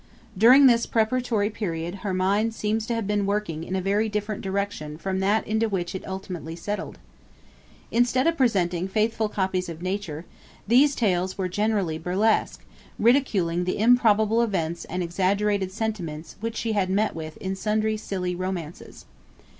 During this preparatory period her mind seems to have been working in a very different direction from that into which it ultimately settled. Instead of presenting faithful copies of nature, these tales were generally burlesques, ridiculing the improbable events and exaggerated sentiments which she had met with in sundry silly romances.